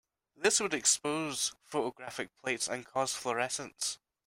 This would expose photographic plates and cause fluorescence.